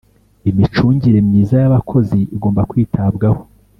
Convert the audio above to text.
imicungire myiza y'abakozi igomba kwitabwaho